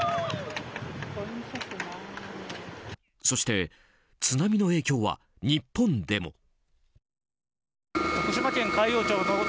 そして、津波の影響は日本でも。